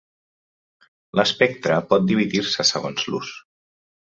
L'espectre pot dividir-se segons l'ús.